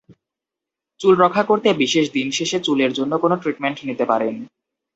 চুল রক্ষা করতে বিশেষ দিন শেষে চুলের জন্য কোনো ট্রিটমেন্ট নিতে পারেন।